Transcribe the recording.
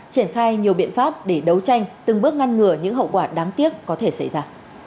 triển khai nhiều biện pháp để đấu tranh từng bước ngăn ngừa những hậu quả đáng tiếc có thể xảy ra